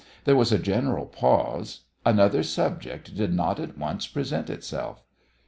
There was a general pause. Another subject did not at once present itself.